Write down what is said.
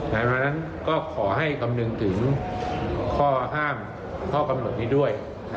เพราะฉะนั้นก็ขอให้คำนึงถึงข้อห้ามข้อกำหนดนี้ด้วย